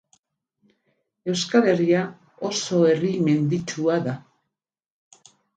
Euskal Herria oso herri menditsua da.